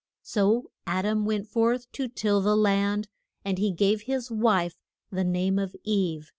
So Ad am went forth to till the land, and he gave his wife the name of Eve.